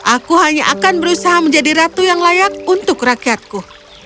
aku hanya akan berusaha menjadi ratu yang layak untuk rakyatku